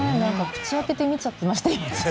口開けて見ちゃってました。